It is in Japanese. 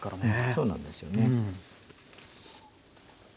そうなんですよね。